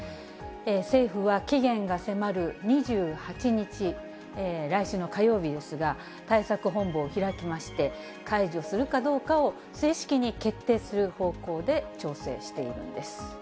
政府は期限が迫る２８日、来週の火曜日ですが、対策本部を開きまして、解除するかどうかを正式に決定する方向で調整しているんです。